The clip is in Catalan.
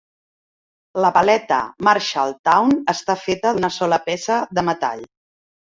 La paleta Marshalltown està feta d'una sola peça de metall.